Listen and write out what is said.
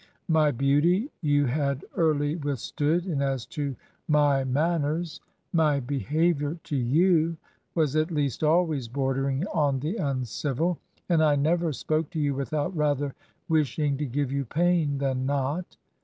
'My beauty you had early withstood, and as to my manners — my behavior to you was at least always bordering on the uncivil, and I never spoke to you without rather wishing to give you pain than not.